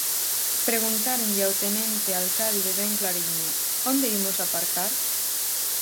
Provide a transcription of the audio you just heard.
Preguntáronlle ao tenente alcalde, ben clariño: "Onde imos aparcar?"